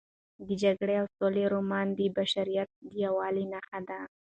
د جګړې او سولې رومان د بشریت د یووالي نښه ده.